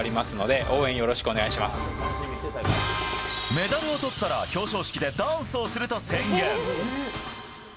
メダルを取ったら表彰式でダンスをすると宣言。